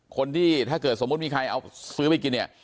ถ้าเกิดสมมุติมีใครเอาซื้อไปกินเนี่ย